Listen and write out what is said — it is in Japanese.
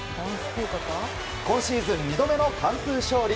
今シーズン２度目の完封勝利。